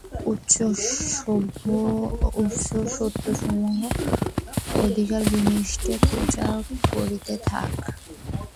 উচ্চতম সত্যসমূহ অধিকারিনির্বিশেষে প্রচার করিতে থাক।